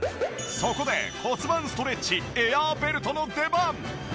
そこで骨盤ストレッチエアーベルトの出番。